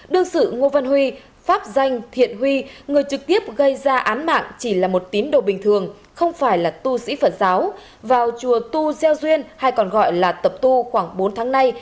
đương sự ngô văn huy pháp danh thiện huy người trực tiếp gây ra án mạng chỉ là một tín đồ bình thường không phải là tu sĩ phật giáo vào chùa tu gieo duyên hay còn gọi là tập tu khoảng bốn tháng nay